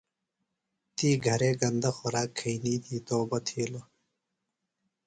تی گھرے گندہ خوراک کھئینی دی توبہ تِھیلوۡ۔